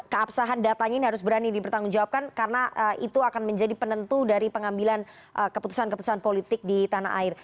keabsahan datanya ini harus berani dipertanggungjawabkan karena itu akan menjadi penentu dari pengambilan keputusan keputusan politik di tanah air